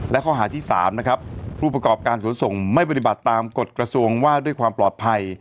และข้อหาที่๓นะครับผู้ประกอบการขนส่งไม่ปฏิบัติตามกฎกระทรวงว่าด้วยความปลอดภัย